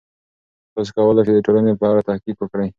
تاسې کولای سئ د ټولنې په اړه تحقیق وکړئ.